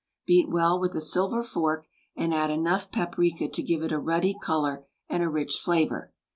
Beat well with a silver fork, and add enough paprika to give it a ruddy color, and a rich flavor.